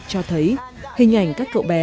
cho thấy hình ảnh các cậu bé